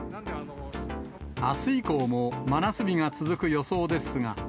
あす以降も真夏日が続く予想ですが。